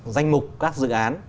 danh mục các dự án